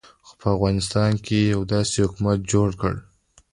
خو په افغانستان کې یې داسې حکومت جوړ کړ.